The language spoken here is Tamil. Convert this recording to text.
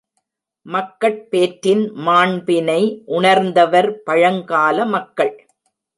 மக்கட் பேற்றின் மாண்பினை உணர்ந்தவர் பழங்கால மக்கள்.